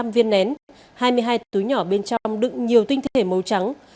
bốn mươi năm viên nén hai mươi hai túi nhỏ bên trong đựng nhiều tinh thể màu trắng